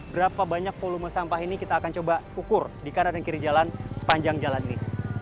berapa banyak volume sampah ini kita akan coba ukur di kanan dan kiri jalan sepanjang jalan ini